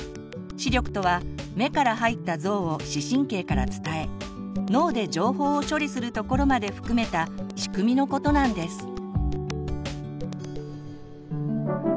「視力」とは目から入った像を視神経から伝え脳で情報を処理するところまで含めた仕組みのことなんです。